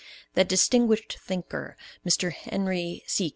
That distinguished thinker, Mr. Henry C.